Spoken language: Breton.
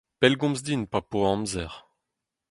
Pellgomz din pa po amzer.